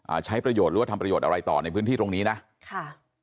ใช้ประโยชน์หรือว่าทำประโยชน์อะไรต่อในพื้นที่ตรงนี้นะค่ะ